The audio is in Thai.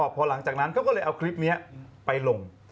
พอหลังจากนั้นเขาก็เลยเอาคลิปนี้ไปลง